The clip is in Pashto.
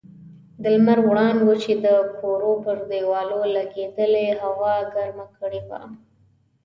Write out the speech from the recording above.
د لمر وړانګو چې د کورو پر دېوالو لګېدې هوا ګرمه کړې وه.